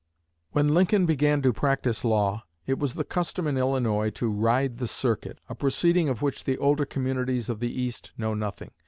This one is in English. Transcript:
When Lincoln began to practice law, it was the custom in Illinois to "ride the circuit," a proceeding of which the older communities of the East know nothing.